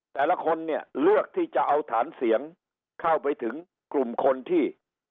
แต่ละคนเนี่ยเลือกที่จะเอาฐานเสียงเข้าไปถึงกลุ่มคนที่